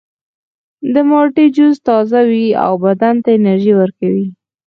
د مالټې جوس تازه وي او بدن ته انرژي ورکوي.